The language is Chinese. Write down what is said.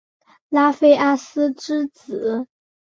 拉菲阿斯之子。